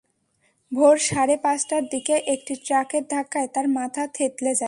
ভোর সাড়ে পাঁচটার দিকে একটি ট্রাকের ধাক্কায় তার মাথা থেঁতলে যায়।